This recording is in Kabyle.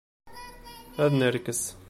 Ad nerkes.